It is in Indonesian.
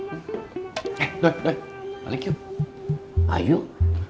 eh doi doi balik yuk